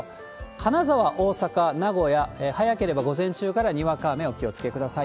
金沢、大阪、名古屋、早ければ午前中からにわか雨お気をつけください。